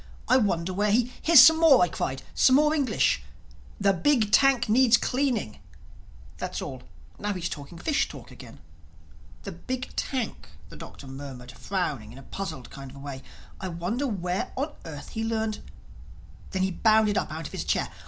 I wonder where he—" "Here's some more," I cried—"some more English.... 'The big tank needs cleaning'.... That's all. Now he's talking fish talk again." "The big tank!" the Doctor murmured frowning in a puzzled kind of way. "I wonder where on earth he learned—" Then he bounded up out of his chair.